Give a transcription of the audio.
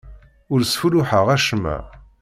Ur sfulluḥeɣ acemma.